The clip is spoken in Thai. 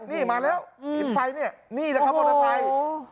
นี่มาแล้วเห็นไฟเนี่ยนี่แหละครับมอเตอร์ไซค์